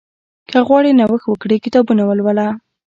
که غواړې نوښت وکړې، کتابونه ولوله.